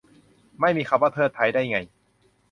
ไม่มีคำว่า เทิด ไท้ ได้ไง